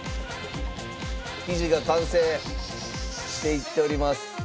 生地が完成していっております。